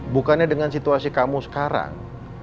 bukannya dengan situasi kamu sekarang